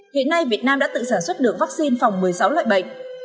hiện nay việt nam đã tự sản xuất được vắc xin phòng một mươi sáu loại bệnh